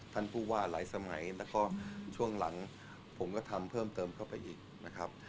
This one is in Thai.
ท่านผู้ว่าหลายสมัยแล้วก็ช่วงหลังผมก็ทำเพิ่มเติมเข้าไปอีกนะครับ